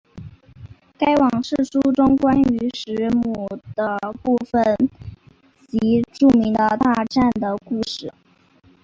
该往世书中关于时母的部分即著名的大战的故事。